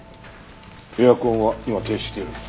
エアコンは今停止している。